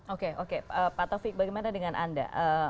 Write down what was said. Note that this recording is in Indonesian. oke oke pak taufik bagaimana dengan anda